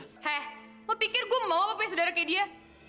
hei gue pikir gue mau apa ya saudara kayak dia